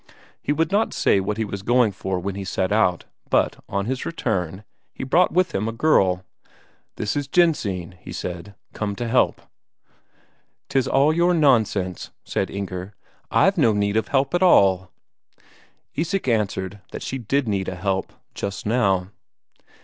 He would not say what he was going for when he set out, but on his return, he brought with him a girl. "This is Jensine," he said. "Come to help." "'Tis all your nonsense," said Inger, "I've no need of help at all." Isak answered that she did need a help just now.